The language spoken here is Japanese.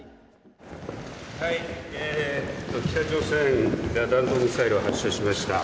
北朝鮮が弾道ミサイルを発射しました。